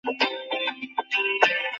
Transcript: এমনকি আমি চাকরিও ছেড়ে দিতে চেয়েছিলাম।